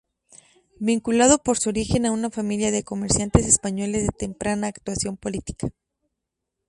Vinculado por su origen a una familia de comerciantes españoles de temprana actuación política.